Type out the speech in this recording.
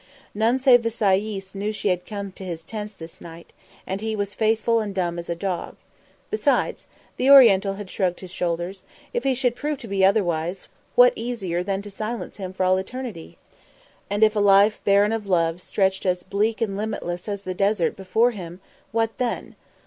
None save the sayis knew she had come to the tents this night, and he was faithful and as dumb as a dog. Besides the Oriental had shrugged his shoulders if he should prove to be otherwise, what easier than to silence him for all eternity? And if a life barren of love stretched as bleak and limitless as the desert before him, what then?